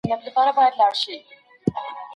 که انلاین تدریس وشي، نو اړیکه مجازي وي.